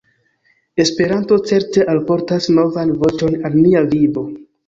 Esperanto certe alportas novan voĉon al nia vivo.